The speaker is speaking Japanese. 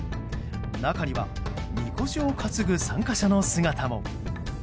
中には、みこしを担ぐ参加者の姿も。